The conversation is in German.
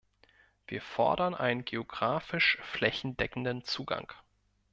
Wir fordern einen geografisch flächendeckenden Zugang.